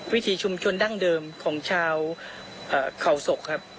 ถีชุมชนดั้งเดิมของชาวเขาศกครับ